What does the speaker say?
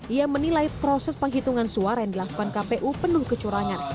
ia menilai proses penghitungan suara yang dilakukan kpu penuh kecurangan